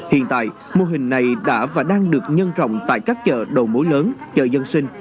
hiện tại mô hình này đã và đang được nhân rộng tại các chợ đầu mối lớn chợ dân sinh